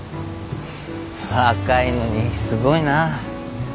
若いのにすごいな。